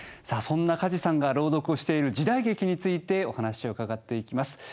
さあそんな梶さんが朗読をしている時代劇についてお話を伺っていきます。